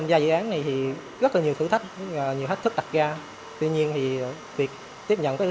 dự án này thì rất là nhiều thử thách nhiều thách thức đặt ra tuy nhiên thì việc tiếp nhận các thử